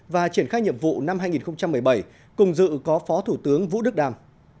và triển khai nhiệm vụ năm hai nghìn một mươi bảy cùng dự có phó thủ tướng vũ đức đàm